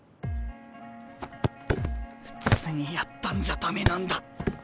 普通にやったんじゃ駄目なんだ。